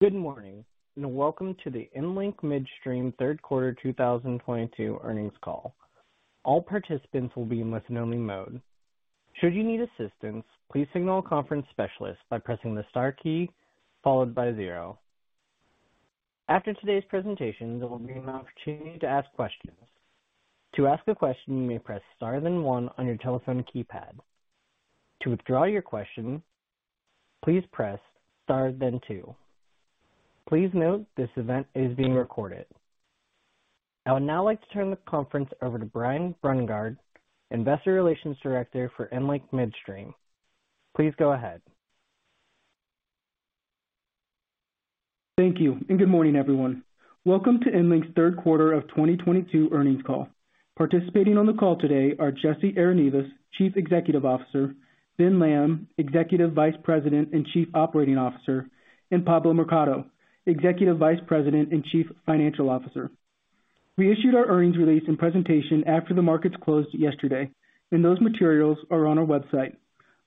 Good morning, and welcome to the EnLink Midstream third quarter 2022 earnings call. All participants will be in listen-only mode. Should you need assistance, please signal a conference specialist by pressing the star key followed by zero. After today's presentation, there will be an opportunity to ask questions. To ask a question, you may press star then one on your telephone keypad. To withdraw your question, please press star then two. Please note this event is being recorded. I would now like to turn the conference over to Brian Brungardt, Investor Relations Director for EnLink Midstream. Please go ahead. Thank you, and good morning, everyone. Welcome to EnLink's third quarter of 2022 earnings call. Participating on the call today are Jesse Arenivas, Chief Executive Officer, Ben Lamb, Executive Vice President and Chief Operating Officer, and Pablo Mercado, Executive Vice President and Chief Financial Officer. We issued our earnings release and presentation after the markets closed yesterday, and those materials are on our website.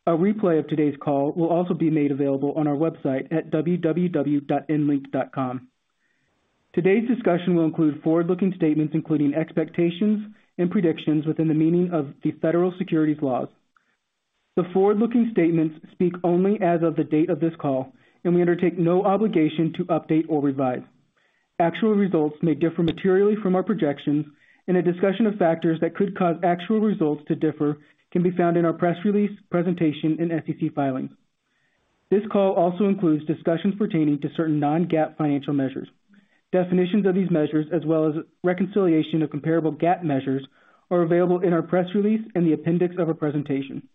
A replay of today's call will also be made available on our website at www.enlink.com. Today's discussion will include forward-looking statements, including expectations and predictions within the meaning of the federal securities laws. The forward-looking statements speak only as of the date of this call, and we undertake no obligation to update or revise. Actual results may differ materially from our projections, and a discussion of factors that could cause actual results to differ can be found in our press release, presentation, and SEC filing. This call also includes discussions pertaining to certain non-GAAP financial measures. Definitions of these measures, as well as reconciliation of comparable GAAP measures, are available in our press release and the appendix of our presentation.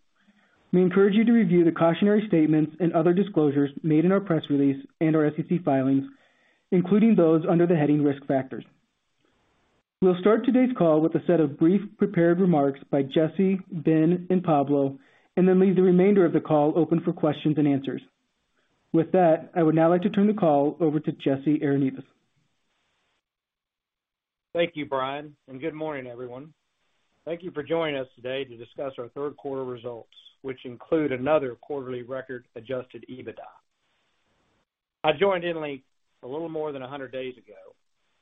We encourage you to review the cautionary statements and other disclosures made in our press release and our SEC filings, including those under the heading Risk Factors. We'll start today's call with a set of brief prepared remarks by Jesse, Ben, and Pablo, and then leave the remainder of the call open for questions and answers. With that, I would now like to turn the call over to Jesse Arenivas. Thank you, Brian, and good morning, everyone. Thank you for joining us today to discuss our third quarter results, which include another quarterly record adjusted EBITDA. I joined EnLink a little more than 100 days ago,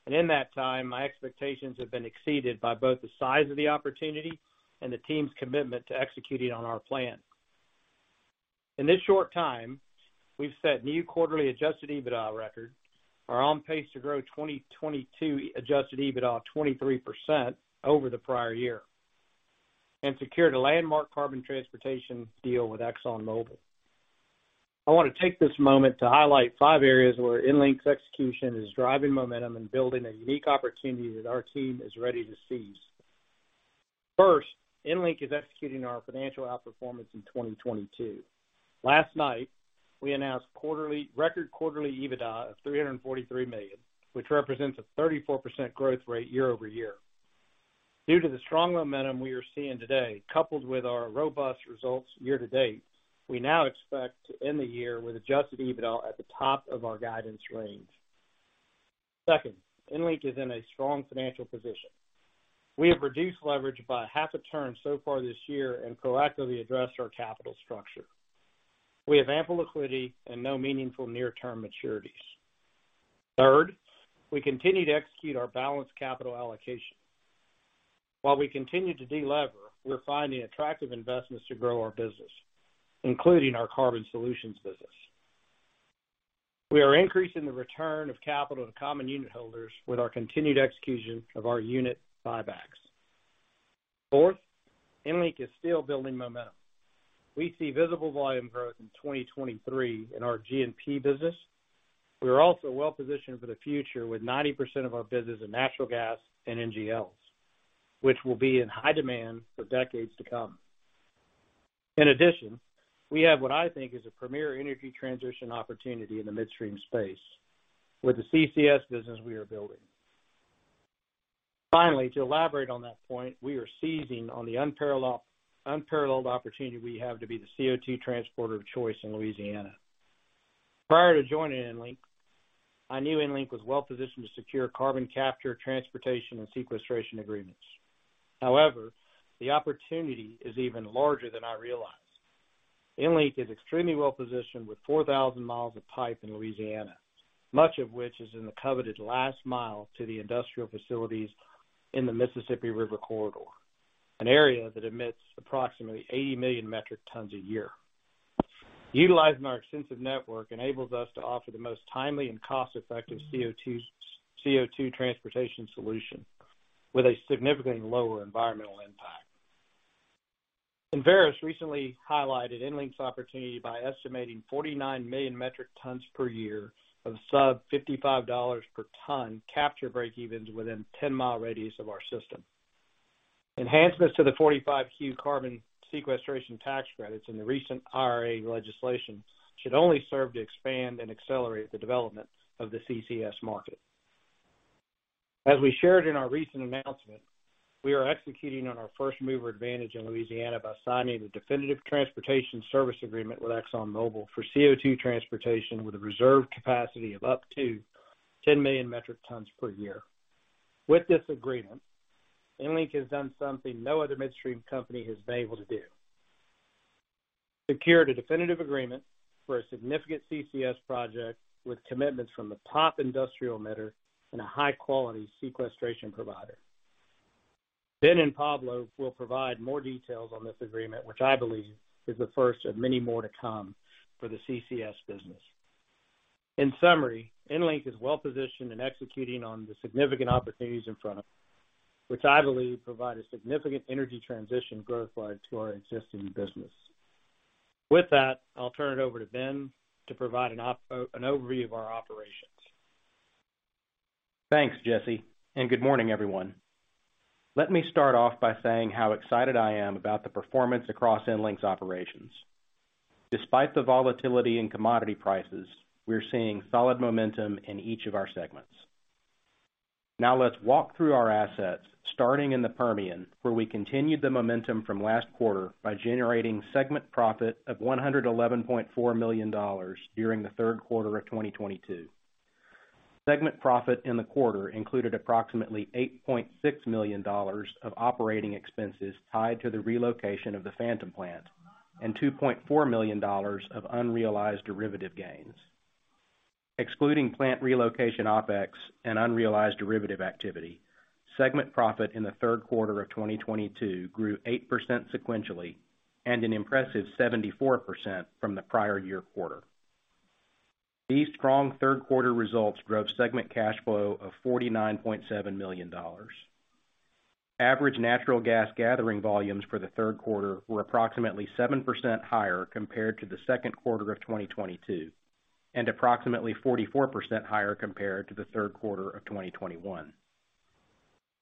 and in that time, my expectations have been exceeded by both the size of the opportunity and the team's commitment to executing on our plan. In this short time, we've set new quarterly adjusted EBITDA record, are on pace to grow 2022 adjusted EBITDA 23% over the prior year, and secured a landmark carbon transportation deal with ExxonMobil. I wanna take this moment to highlight five areas where EnLink's execution is driving momentum and building a unique opportunity that our team is ready to seize. First, EnLink is executing our financial outperformance in 2022. Last night, we announced record quarterly EBITDA of $343 million, which represents a 34% growth rate year-over-year. Due to the strong momentum we are seeing today, coupled with our robust results year to date, we now expect to end the year with adjusted EBITDA at the top of our guidance range. Second, EnLink is in a strong financial position. We have reduced leverage by half a turn so far this year and proactively addressed our capital structure. We have ample liquidity and no meaningful near-term maturities. Third, we continue to execute our balanced capital allocation. While we continue to de-lever, we're finding attractive investments to grow our business, including our carbon solutions business. We are increasing the return of capital to common unit holders with our continued execution of our unit buybacks. Fourth, EnLink is still building momentum. We see visible volume growth in 2023 in our G&P business. We are also well-positioned for the future with 90% of our business in natural gas and NGLs, which will be in high demand for decades to come. In addition, we have what I think is a premier energy transition opportunity in the midstream space with the CCS business we are building. Finally, to elaborate on that point, we are seizing on the unparalleled opportunity we have to be the CO2 transporter of choice in Louisiana. Prior to joining EnLink, I knew EnLink was well-positioned to secure carbon capture, transportation, and sequestration agreements. However, the opportunity is even larger than I realized. EnLink is extremely well-positioned with 4,000 mi of pipe in Louisiana, much of which is in the coveted last mile to the industrial facilities in the Mississippi River Corridor, an area that emits approximately 80 million metric tons a year. Utilizing our extensive network enables us to offer the most timely and cost-effective CO2 transportation solution with a significantly lower environmental impact. Verus recently highlighted EnLink's opportunity by estimating 49 million metric tons per year of sub-$55 per ton capture breakevens within 10-mi radius of our system. Enhancements to the 45Q carbon sequestration tax credits in the recent IRA legislation should only serve to expand and accelerate the development of the CCS market. As we shared in our recent announcement, we are executing on our first-mover advantage in Louisiana by signing a definitive transportation service agreement with ExxonMobil for CO2 transportation with a reserve capacity of up to 10 million metric tons per year. With this agreement, EnLink has done something no other midstream company has been able to do. Secured a definitive agreement for a significant CCS project with commitments from the top industrial emitter and a high-quality sequestration provider. Ben and Pablo will provide more details on this agreement, which I believe is the first of many more to come for the CCS business. In summary, EnLink is well-positioned in executing on the significant opportunities in front of, which I believe provide a significant energy transition growth line to our existing business. With that, I'll turn it over to Ben to provide an overview of our operations. Thanks, Jesse, and good morning, everyone. Let me start off by saying how excited I am about the performance across EnLink's operations. Despite the volatility in commodity prices, we're seeing solid momentum in each of our segments. Now let's walk through our assets, starting in the Permian, where we continued the momentum from last quarter by generating segment profit of $111.4 million during the third quarter of 2022. Segment profit in the quarter included approximately $8.6 million of operating expenses tied to the relocation of the Phantom plant and $2.4 million of unrealized derivative gains. Excluding plant relocation OpEx and unrealized derivative activity, segment profit in the third quarter of 2022 grew 8% sequentially and an impressive 74% from the prior year quarter. These strong third quarter results drove segment cash flow of $49.7 million. Average natural gas gathering volumes for the third quarter were approximately 7% higher compared to the second quarter of 2022, and approximately 44% higher compared to the third quarter of 2021.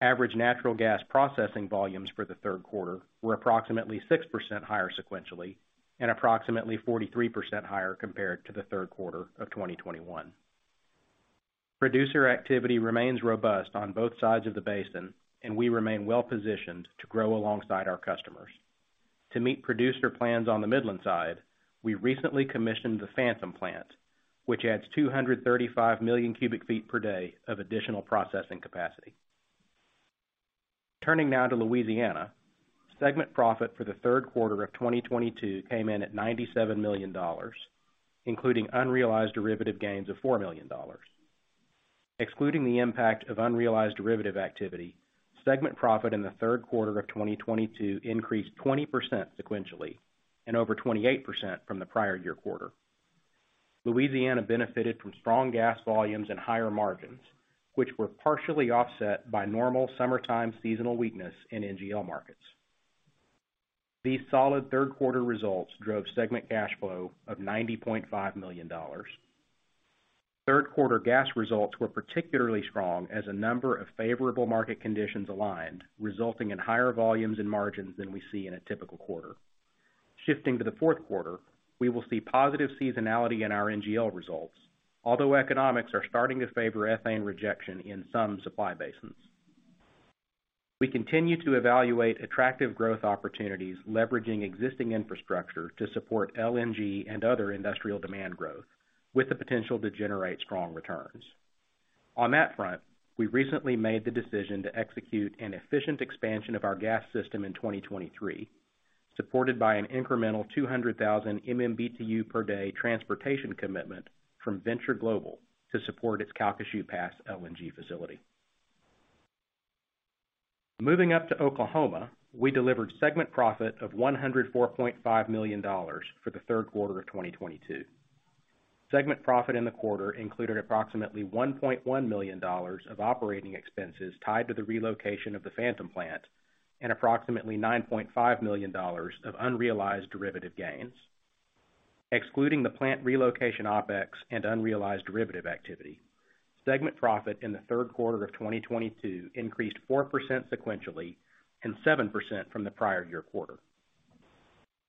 Average natural gas processing volumes for the third quarter were approximately 6% higher sequentially and approximately 43% higher compared to the third quarter of 2021. Producer activity remains robust on both sides of the basin, and we remain well-positioned to grow alongside our customers. To meet producer plans on the Midland side, we recently commissioned the Phantom plant, which adds 235 million cubic feet per day of additional processing capacity. Turning now to Louisiana. Segment profit for the third quarter of 2022 came in at $97 million, including unrealized derivative gains of $4 million. Excluding the impact of unrealized derivative activity, segment profit in the third quarter of 2022 increased 20% sequentially and over 28% from the prior year quarter. Louisiana benefited from strong gas volumes and higher margins, which were partially offset by normal summertime seasonal weakness in NGL markets. These solid third quarter results drove segment cash flow of $90.5 million. Third quarter gas results were particularly strong as a number of favorable market conditions aligned, resulting in higher volumes and margins than we see in a typical quarter. Shifting to the fourth quarter, we will see positive seasonality in our NGL results, although economics are starting to favor ethane rejection in some supply basins. We continue to evaluate attractive growth opportunities, leveraging existing infrastructure to support LNG and other industrial demand growth with the potential to generate strong returns. On that front, we recently made the decision to execute an efficient expansion of our gas system in 2023, supported by an incremental 200,000 MMBtu per day transportation commitment from Venture Global to support its Calcasieu Pass LNG facility. Moving up to Oklahoma, we delivered segment profit of $104.5 million for the third quarter of 2022. Segment profit in the quarter included approximately $1.1 million of operating expenses tied to the relocation of the Phantom plant and approximately $9.5 million of unrealized derivative gains. Excluding the plant relocation OpEx and unrealized derivative activity, segment profit in the third quarter of 2022 increased 4% sequentially and 7% from the prior year quarter.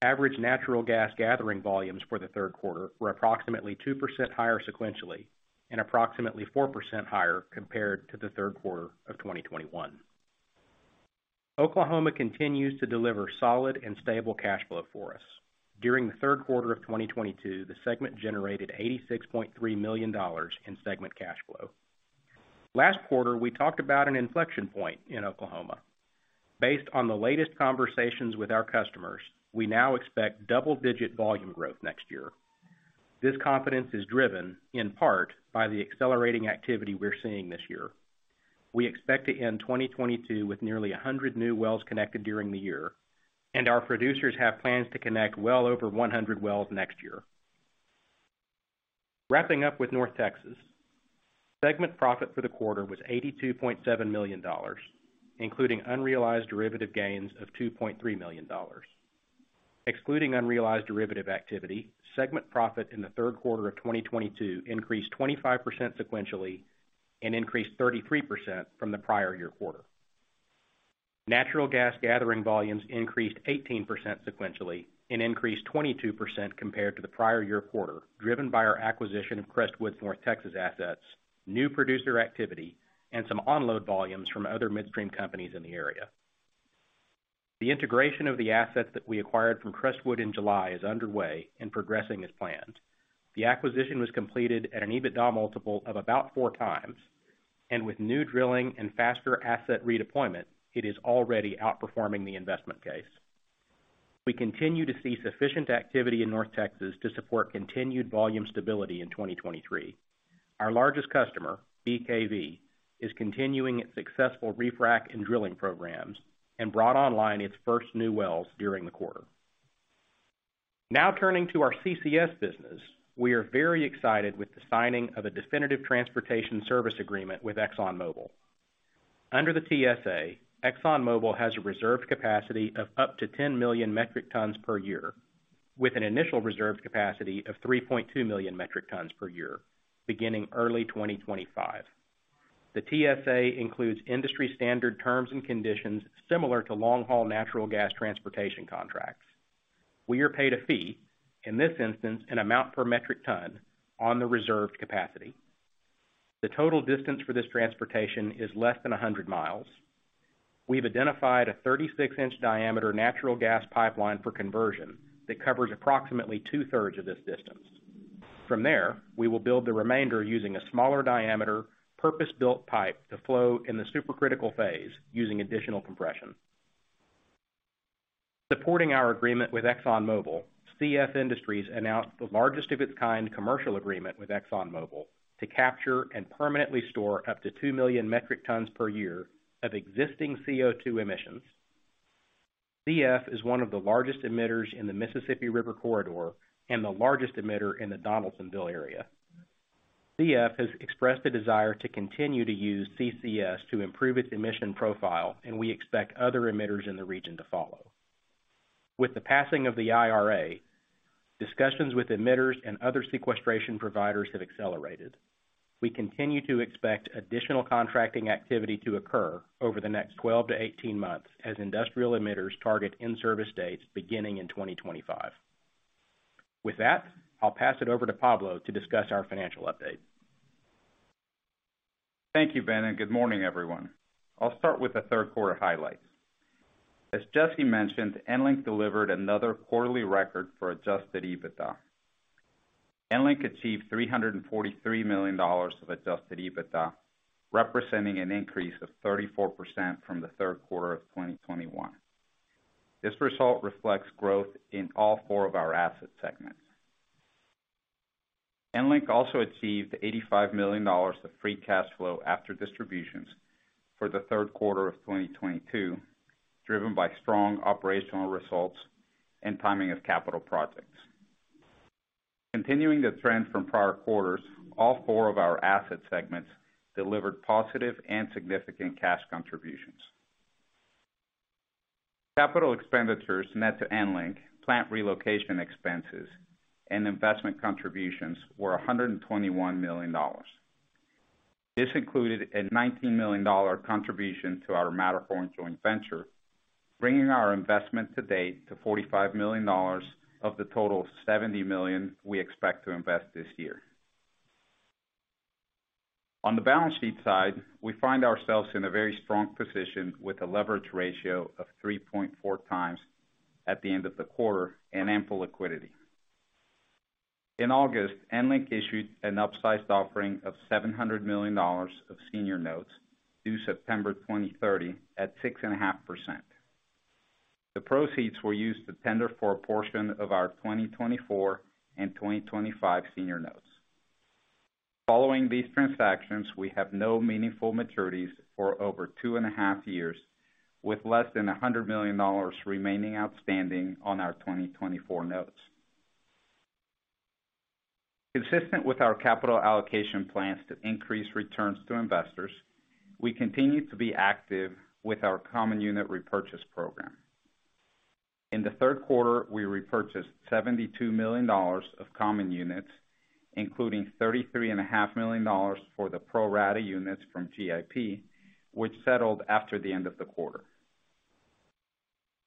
Average natural gas gathering volumes for the third quarter were approximately 2% higher sequentially and approximately 4% higher compared to the third quarter of 2021. Oklahoma continues to deliver solid and stable cash flow for us. During the third quarter of 2022, the segment generated $86.3 million in segment cash flow. Last quarter, we talked about an inflection point in Oklahoma. Based on the latest conversations with our customers, we now expect double-digit volume growth next year. This confidence is driven in part by the accelerating activity we're seeing this year. We expect to end 2022 with nearly 100 new wells connected during the year, and our producers have plans to connect well over 100 wells next year. Wrapping up with North Texas. Segment profit for the quarter was $82.7 million, including unrealized derivative gains of $2.3 million. Excluding unrealized derivative activity, segment profit in the third quarter of 2022 increased 25% sequentially and increased 33% from the prior year quarter. Natural gas gathering volumes increased 18% sequentially and increased 22% compared to the prior year quarter, driven by our acquisition of Crestwood's North Texas assets, new producer activity, and some onload volumes from other midstream companies in the area. The integration of the assets that we acquired from Crestwood in July is underway and progressing as planned. The acquisition was completed at an EBITDA multiple of about 4x. With new drilling and faster asset redeployment, it is already outperforming the investment case. We continue to see sufficient activity in North Texas to support continued volume stability in 2023. Our largest customer, BKV, is continuing its successful refrack and drilling programs and brought online its first new wells during the quarter. Now turning to our CCS business. We are very excited with the signing of a definitive transportation service agreement with ExxonMobil. Under the TSA, ExxonMobil has a reserved capacity of up to 10 million metric tons per year, with an initial reserved capacity of 3.2 million metric tons per year, beginning early 2025. The TSA includes industry standard terms and conditions similar to long-haul natural gas transportation contracts. We are paid a fee, in this instance, an amount per metric ton on the reserved capacity. The total distance for this transportation is less than 100 mi. We've identified a 36-in diameter natural gas pipeline for conversion that covers approximately 2/3 of this distance. From there, we will build the remainder using a smaller diameter, purpose-built pipe to flow in the supercritical phase using additional compression. Supporting our agreement with ExxonMobil, CF Industries announced the largest of its kind commercial agreement with ExxonMobil to capture and permanently store up to 2 million metric tons per year of existing CO2 emissions. CF is one of the largest emitters in the Mississippi River Corridor and the largest emitter in the Donaldsonville area. CF has expressed the desire to continue to use CCS to improve its emission profile, and we expect other emitters in the region to follow. With the passing of the IRA, discussions with emitters and other sequestration providers have accelerated. We continue to expect additional contracting activity to occur over the next 12-18 months as industrial emitters target in-service dates beginning in 2025. With that, I'll pass it over to Pablo to discuss our financial update. Thank you, Ben, and good morning, everyone. I'll start with the third quarter highlights. As Jesse mentioned, EnLink delivered another quarterly record for adjusted EBITDA. EnLink achieved $343 million of adjusted EBITDA, representing an increase of 34% from the third quarter of 2021. This result reflects growth in all four of our asset segments. EnLink also achieved $85 million of free cash flow after distributions for the third quarter of 2022, driven by strong operational results and timing of capital projects. Continuing the trend from prior quarters, all four of our asset segments delivered positive and significant cash contributions. Capital expenditures net to EnLink, plant relocation expenses, and investment contributions were $121 million. This included a $19 million contribution to our Matterhorn joint venture, bringing our investment to date to $45 million of the total of $70 million we expect to invest this year. On the balance sheet side, we find ourselves in a very strong position with a leverage ratio of 3.4 times at the end of the quarter and ample liquidity. In August, EnLink issued an upsized offering of $700 million of senior notes due September 2030 at 6.5%. The proceeds were used to tender for a portion of our 2024 and 2025 senior notes. Following these transactions, we have no meaningful maturities for over two and a half years, with less than $100 million remaining outstanding on our 2024 notes. Consistent with our capital allocation plans to increase returns to investors, we continue to be active with our common unit repurchase program. In the third quarter, we repurchased $72 million of common units, including $33 and a half million for the pro rata units from GIP, which settled after the end of the quarter.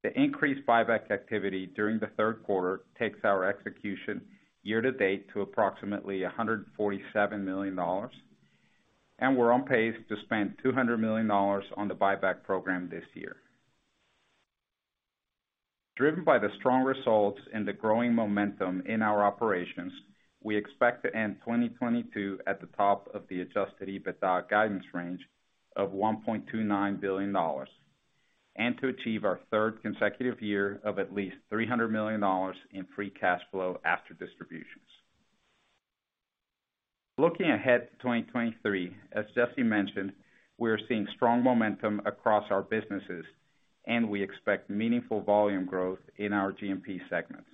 The increased buyback activity during the third quarter takes our execution year to date to approximately $147 million, and we're on pace to spend $200 million on the buyback program this year. Driven by the strong results and the growing momentum in our operations, we expect to end 2022 at the top of the adjusted EBITDA guidance range of $1.29 billion, and to achieve our third consecutive year of at least $300 million in free cash flow after distributions. Looking ahead to 2023, as Jesse mentioned, we are seeing strong momentum across our businesses and we expect meaningful volume growth in our G&P segments.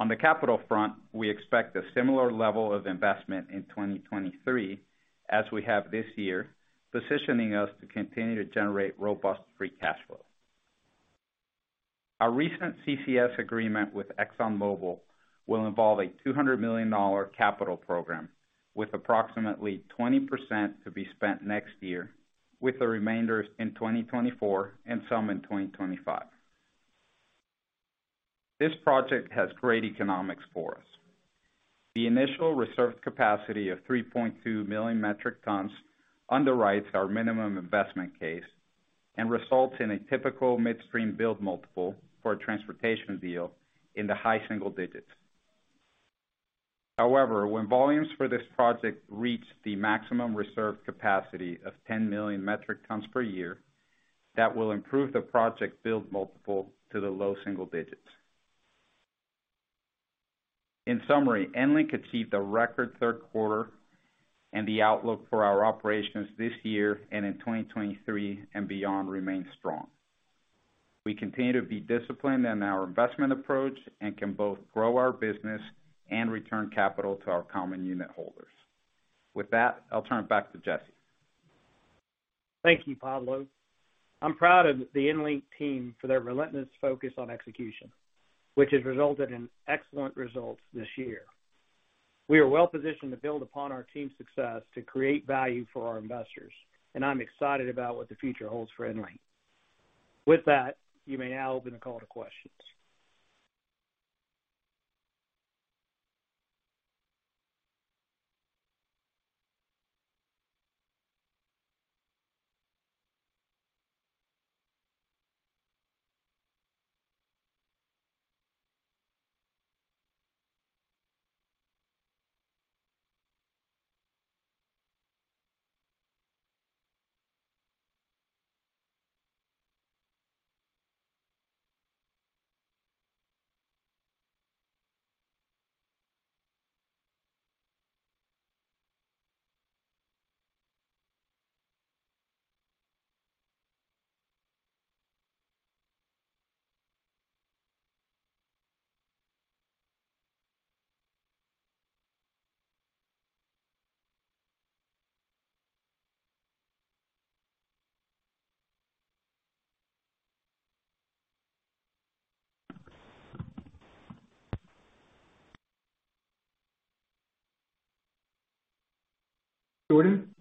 On the capital front, we expect a similar level of investment in 2023 as we have this year, positioning us to continue to generate robust free cash flow. Our recent CCS agreement with ExxonMobil will involve a $200 million capital program with approximately 20% to be spent next year, with the remainder in 2024 and some in 2025. This project has great economics for us. The initial reserved capacity of 3.2 million metric tons underwrites our minimum investment case. Results in a typical midstream build multiple for a transportation deal in the high single digits. However, when volumes for this project reach the maximum reserve capacity of 10 million metric tons per year, that will improve the project build multiple to the low single digits. In summary, EnLink achieved a record third quarter and the outlook for our operations this year and in 2023 and beyond remains strong. We continue to be disciplined in our investment approach and can both grow our business and return capital to our common unit holders. With that, I'll turn it back to Jesse. Thank you, Pablo. I'm proud of the EnLink team for their relentless focus on execution, which has resulted in excellent results this year. We are well-positioned to build upon our team's success to create value for our investors, and I'm excited about what the future holds for EnLink. With that, you may now open the call to questions. Jordan?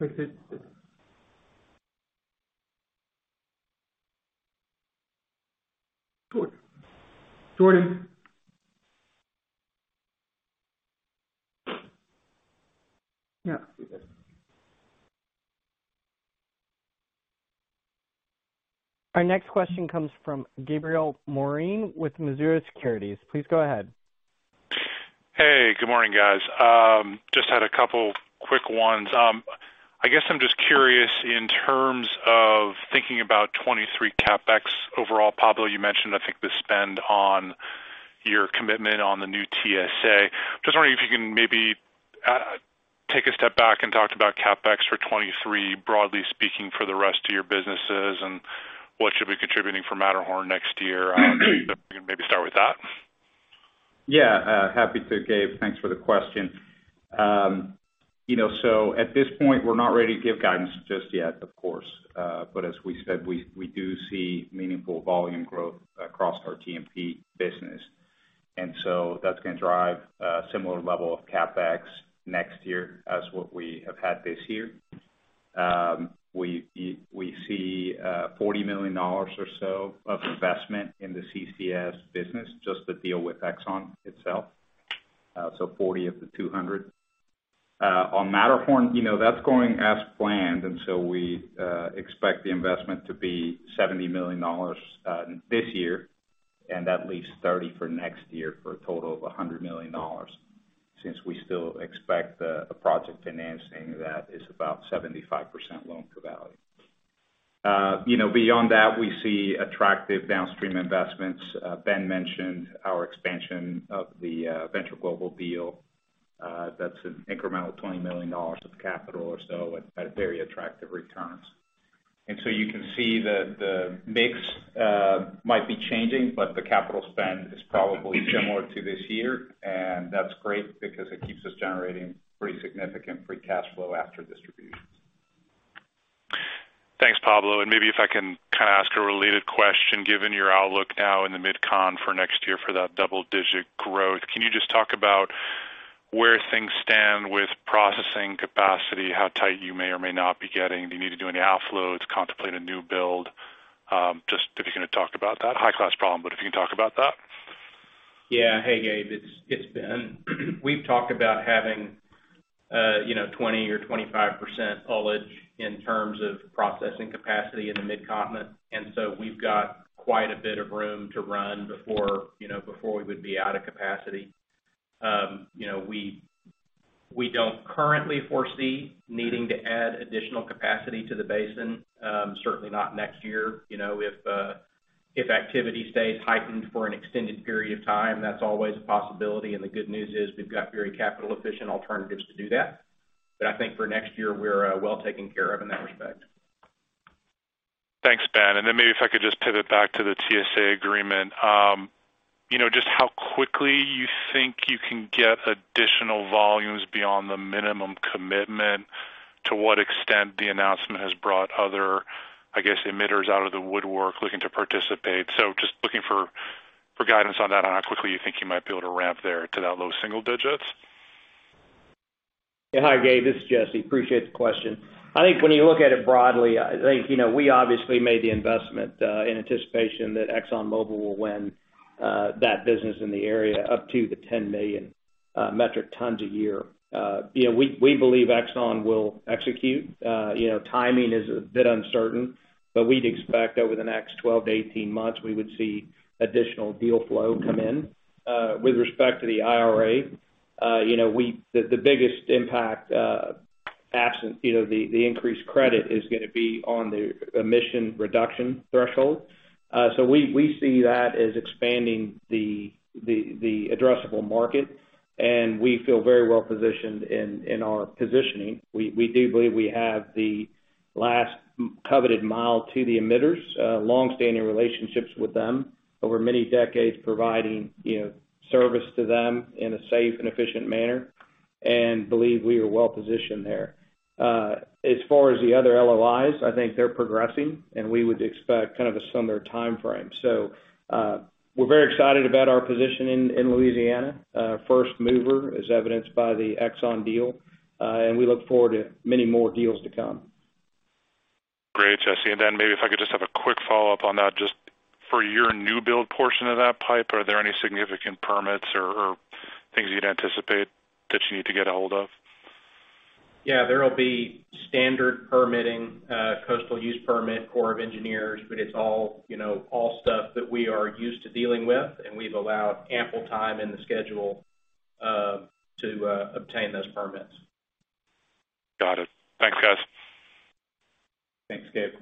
Wait, wait. Jordan? Jordan? Yeah. Our next question comes from Gabriel Moreen with Mizuho Securities. Please go ahead. Hey, good morning, guys. Just had a couple quick ones. I guess I'm just curious in terms of thinking about 2023 CapEx overall. Pablo, you mentioned, I think, the spend on your commitment on the new TSA. Just wondering if you can maybe take a step back and talk about CapEx for 2023, broadly speaking, for the rest of your businesses and what should be contributing for Matterhorn next year. Maybe start with that. Yeah. Happy to, Gabe. Thanks for the question. You know, so at this point, we're not ready to give guidance just yet, of course. But as we said, we do see meaningful volume growth across our TMP business. That's gonna drive a similar level of CapEx next year as what we have had this year. We see $40 million or so of investment in the CCS business just to deal with Exxon itself. $40 million of the $200 million. On Matterhorn, you know, that's going as planned. We expect the investment to be $70 million this year and at least $30 million for next year for a total of $100 million, since we still expect a project financing that is about 75% loan to value. You know, beyond that, we see attractive downstream investments. Ben mentioned our expansion of the Venture Global deal. That's an incremental $20 million of capital or so at very attractive returns. You can see that the mix might be changing, but the capital spend is probably similar to this year, and that's great because it keeps us generating pretty significant free cash flow after distributions. Thanks, Pablo. Maybe if I can kind of ask a related question, given your outlook now in the MidCon for next year for that double-digit growth, can you just talk about where things stand with processing capacity, how tight you may or may not be getting? Do you need to do any offloads, contemplate a new build? Just if you can talk about that high-class problem, but if you can talk about that. Yeah. Hey, Gabe, it's Ben. We've talked about having you know, 20% or 25% ullage in terms of processing capacity in the Midcontinent. We've got quite a bit of room to run before you know, before we would be out of capacity. You know, we don't currently foresee needing to add additional capacity to the basin, certainly not next year. You know, if activity stays heightened for an extended period of time, that's always a possibility. The good news is we've got very capital efficient alternatives to do that. I think for next year, we're well taken care of in that respect. Thanks, Ben. Maybe if I could just pivot back to the TSA agreement. You know, just how quickly you think you can get additional volumes beyond the minimum commitment? To what extent the announcement has brought other, I guess, emitters out of the woodwork looking to participate. Just looking for guidance on that, on how quickly you think you might be able to ramp there to that low single digits. Yeah. Hi, Gabe, this is Jesse. Appreciate the question. I think when you look at it broadly, I think, you know, we obviously made the investment in anticipation that ExxonMobil will win that business in the area up to the 10 million metric tons a year. You know, we believe Exxon will execute. You know, timing is a bit uncertain, but we'd expect over the next 12-18 months, we would see additional deal flow come in. With respect to the IRA, you know, the biggest impact, absent the increased credit is gonna be on the emission reduction threshold. So we see that as expanding the addressable market, and we feel very well positioned in our positioning. We do believe we have the last coveted mile to the emitters, longstanding relationships with them over many decades, providing, you know, service to them in a safe and efficient manner, and believe we are well positioned there. As far as the other LOIs, I think they're progressing, and we would expect kind of a similar timeframe. We're very excited about our position in Louisiana. First mover is evidenced by the Exxon deal, and we look forward to many more deals to come. Great, Jesse. Maybe if I could just have a quick follow-up on that. Just for your new build portion of that pipe, are there any significant permits or things you'd anticipate that you need to get a hold of? Yeah, there will be standard permitting, coastal use permit, Corps of Engineers. It's all, you know, all stuff that we are used to dealing with, and we've allowed ample time in the schedule, to obtain those permits. Got it. Thanks, guys. Thanks, Gabe.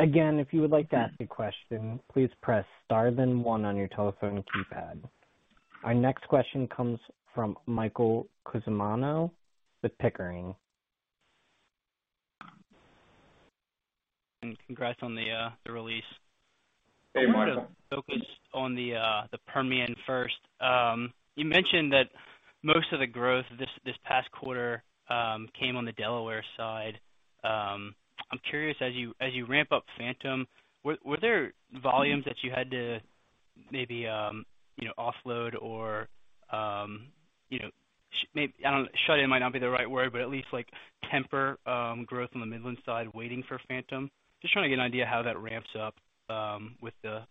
Again, if you would like to ask a question, please press star then one on your telephone keypad. Our next question comes from Michael Cusimano with Pickering. Congrats on the release. Hey, Michael. Focus on the Permian first. You mentioned that most of the growth this past quarter came on the Delaware side. I'm curious, as you ramp up Phantom, were there volumes that you had to maybe you know offload or you know I don't know, shut-in might not be the right word, but at least like temper growth on the Midland side waiting for Phantom? Just trying to get an idea how that ramps up,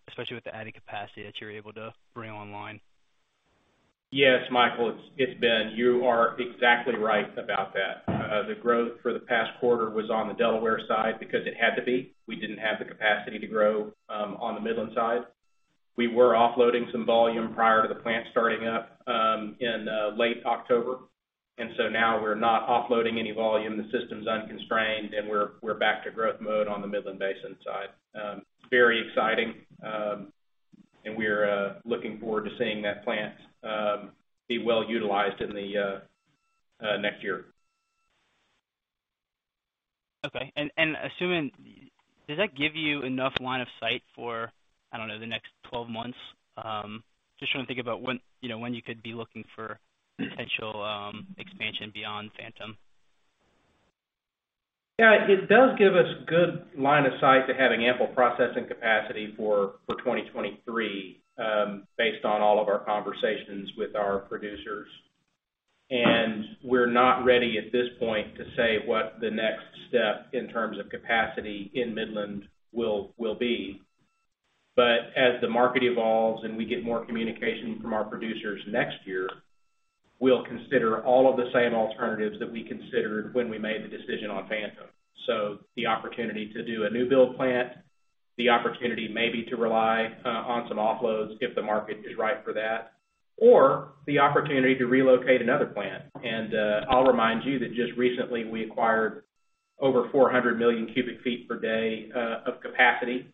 especially with the added capacity that you're able to bring online. Yes, Michael, it's Ben. You are exactly right about that. The growth for the past quarter was on the Delaware side because it had to be. We didn't have the capacity to grow on the Midland side. We were offloading some volume prior to the plant starting up in late October, and so now we're not offloading any volume. The system's unconstrained, and we're back to growth mode on the Midland Basin side. Very exciting. We're looking forward to seeing that plant be well utilized in the next year. Okay. Does that give you enough line of sight for, I don't know, the next 12 months? Just trying to think about when, you know, when you could be looking for potential expansion beyond Phantom. Yeah, it does give us good line of sight to having ample processing capacity for 2023 based on all of our conversations with our producers. We're not ready at this point to say what the next step in terms of capacity in Midland will be. As the market evolves and we get more communication from our producers next year, we'll consider all of the same alternatives that we considered when we made the decision on Phantom. The opportunity to do a new build plant, the opportunity maybe to rely on some offloads if the market is right for that, or the opportunity to relocate another plant. I'll remind you that just recently we acquired over 400 million cubic feet per day of capacity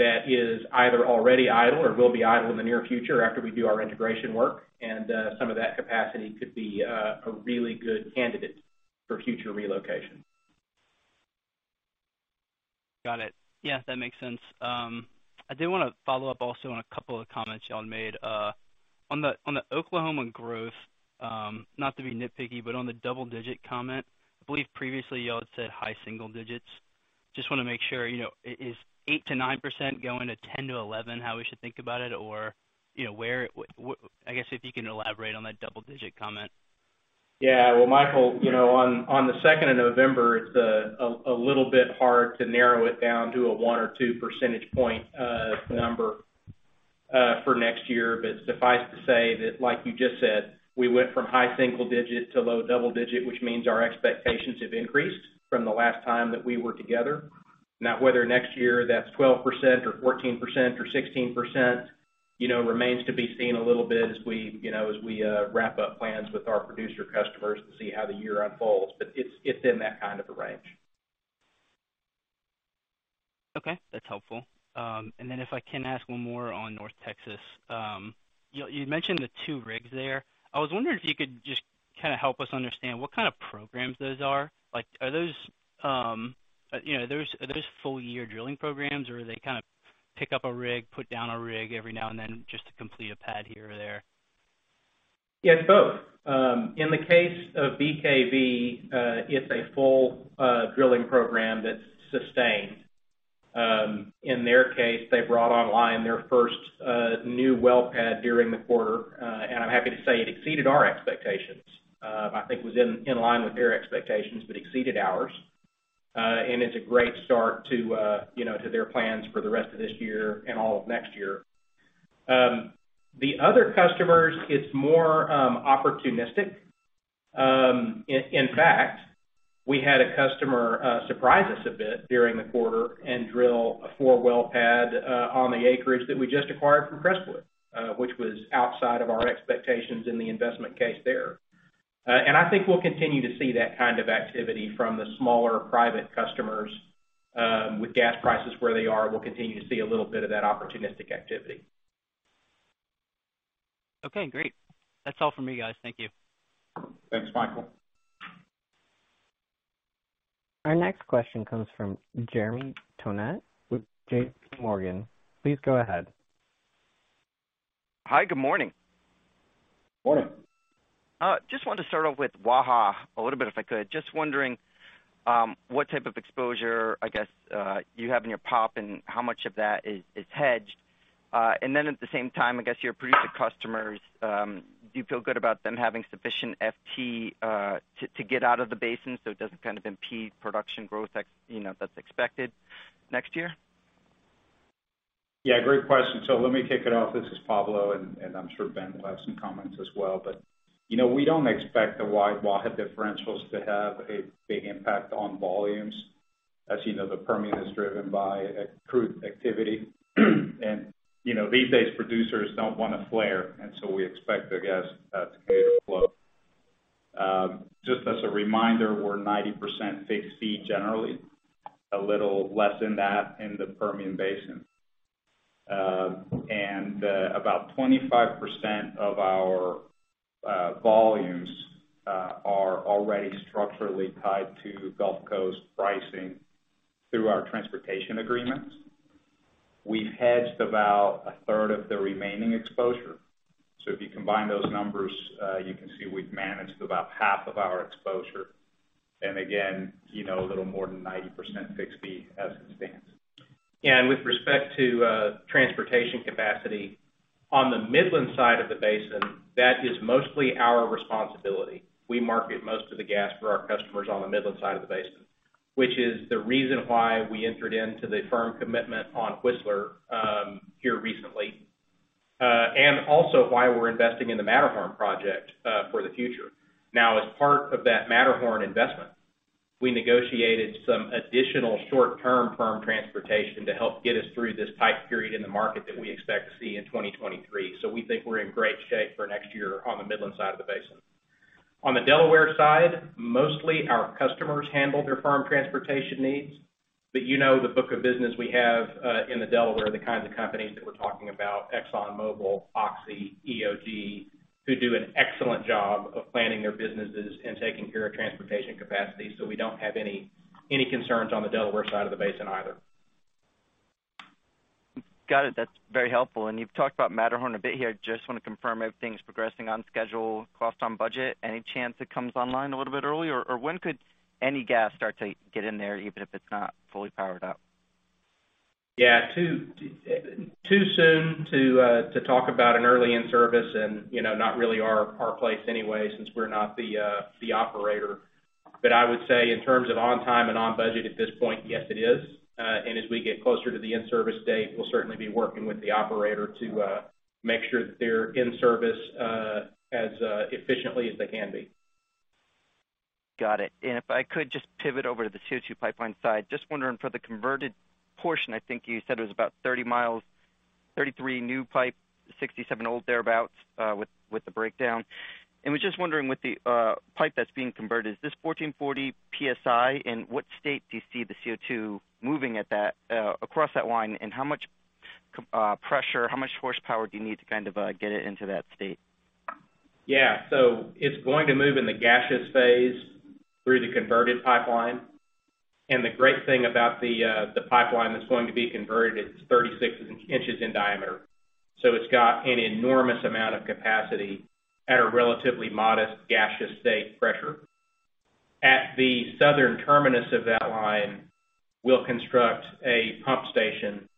that is either already idle or will be idle in the near future after we do our integration work. Some of that capacity could be a really good candidate for future relocation. Got it. Yeah, that makes sense. I did wanna follow up also on a couple of comments y'all made. On the Oklahoma growth, not to be nitpicky, but on the double digit comment, I believe previously y'all had said high single digits. Just wanna make sure, you know, is 8%-9% going to 10%-11% how we should think about it? Or, you know, I guess if you can elaborate on that double digit comment. Yeah. Well, Michael, you know, on the second of November, it's a little bit hard to narrow it down to a 1 or 2 percentage point number for next year. Suffice to say that, like you just said, we went from high single digit to low double digit, which means our expectations have increased from the last time that we were together. Now, whether next year that's 12% or 14% or 16%, you know, remains to be seen a little bit as we, you know, wrap up plans with our producer customers to see how the year unfolds. It's in that kind of a range. Okay, that's helpful. If I can ask one more on North Texas. You mentioned the 2 rigs there. I was wondering if you could just kinda help us understand what kind of programs those are. Like, are those, you know, full year drilling programs or are they kind of pick up a rig, put down a rig every now and then just to complete a pad here or there? It's both. In the case of BKV, it's a full drilling program that's sustained. In their case, they brought online their first new well pad during the quarter. I'm happy to say it exceeded our expectations. I think it was in line with their expectations, but exceeded ours. It's a great start to you know to their plans for the rest of this year and all of next year. The other customers, it's more opportunistic. In fact, we had a customer surprise us a bit during the quarter and drill a 4-well pad on the acreage that we just acquired from Crestwood, which was outside of our expectations in the investment case there. I think we'll continue to see that kind of activity from the smaller private customers. With gas prices where they are, we'll continue to see a little bit of that opportunistic activity. Okay, great. That's all from me, guys. Thank you. Thanks, Michael. Our next question comes from Jeremy Tonet with JPMorgan. Please go ahead. Hi, good morning. Morning. Just wanted to start off with Waha a little bit, if I could. Just wondering what type of exposure, I guess, you have in your pop and how much of that is hedged. At the same time, I guess your producer customers, do you feel good about them having sufficient FT to get out of the basin so it doesn't kind of impede production growth that, you know, that's expected next year? Yeah, great question. Let me kick it off. This is Pablo, and I'm sure Ben will have some comments as well. You know, we don't expect the wide Waha differentials to have a big impact on volumes. As you know, the Permian is driven by crude activity. You know, these days producers don't wanna flare, and so we expect the gas to continue to flow. Just as a reminder, we're 90% fixed fee generally, a little less than that in the Permian Basin. And about 25% of our volumes are already structurally tied to Gulf Coast pricing through our transportation agreements. We've hedged about a third of the remaining exposure. If you combine those numbers, you can see we've managed about half of our exposure. Again, you know, a little more than 90% fixed fee as it stands. With respect to transportation capacity, on the Midland side of the basin, that is mostly our responsibility. We market most of the gas for our customers on the Midland side of the basin, which is the reason why we entered into the firm commitment on Whistler here recently, and also why we're investing in the Matterhorn project for the future. Now, as part of that Matterhorn investment, we negotiated some additional short-term firm transportation to help get us through this tight period in the market that we expect to see in 2023. We think we're in great shape for next year on the Midland side of the basin. On the Delaware side, mostly our customers handle their firm transportation needs. You know the book of business we have in the Delaware, the kinds of companies that we're talking about, ExxonMobil, Oxy, EOG, who do an excellent job of planning their businesses and taking care of transportation capacity. We don't have any concerns on the Delaware side of the basin either. Got it. That's very helpful. And you've talked about Matterhorn a bit here. Just wanna confirm everything's progressing on schedule, cost on budget. Any chance it comes online a little bit early? Or when could any gas start to get in there, even if it's not fully powered up? Yeah. Too soon to talk about an early in-service and, you know, not really our place anyway, since we're not the operator. I would say in terms of on time and on budget at this point, yes, it is. As we get closer to the in-service date, we'll certainly be working with the operator to make sure that they're in service as efficiently as they can be. Got it. If I could just pivot over to the CO2 pipeline side. Just wondering for the converted portion, I think you said it was about 30 mi, 33 new pipe, 67 old thereabout, with the breakdown. Was just wondering what the pipe that's being converted, is this 1440 PSI? What state do you see the CO2 moving across that line, and how much pressure, how much horsepower do you need to kind of get it into that state? Yeah. It's going to move in the gaseous phase through the converted pipeline. The great thing about the pipeline that's going to be converted, it's 36 in in diameter, so it's got an enormous amount of capacity at a relatively modest gaseous state pressure. At the southern terminus of that line, we'll construct a pump station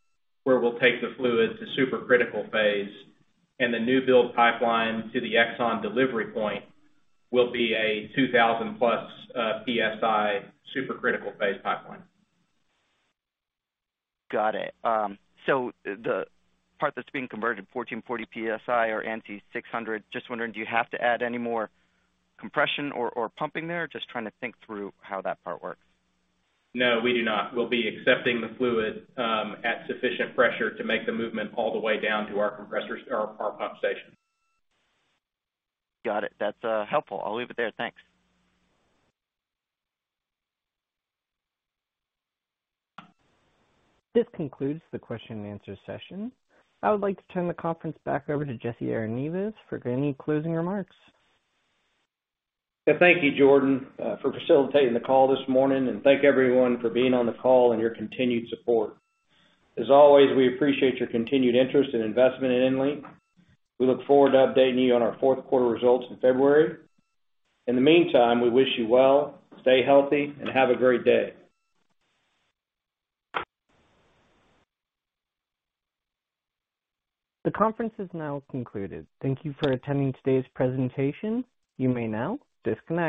where we'll take the fluid to supercritical phase, and the new build pipeline to the Exxon delivery point will be a 2000+ PSI supercritical phase pipeline. Got it. The part that's being converted, 1440 PSI or ANSI 600, just wondering, do you have to add any more compression or pumping there? Just trying to think through how that part works. No, we do not. We'll be accepting the fluid at sufficient pressure to make the movement all the way down to our compressors or our pump station. Got it. That's helpful. I'll leave it there. Thanks. This concludes the question and answer session. I would like to turn the conference back over to Jesse Arenivas for any closing remarks. Yeah. Thank you, Jordan, for facilitating the call this morning, and thank everyone for being on the call and your continued support. As always, we appreciate your continued interest and investment in EnLink. We look forward to updating you on our fourth quarter results in February. In the meantime, we wish you well, stay healthy, and have a great day. The conference is now concluded. Thank you for attending today's presentation. You may now disconnect.